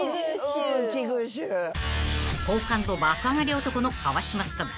［好感度爆上がり男の川島さん］